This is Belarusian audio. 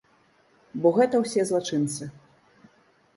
Бо гэта ўсе злачынцы.